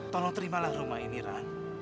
tolong terimalah rumah ini ran